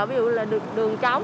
ví dụ là đường trống